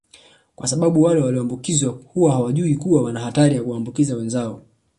kwa sababu wale walioambukizwa huwa hawajui kuwa wana hatari ya kuwaambukiza wenzi wao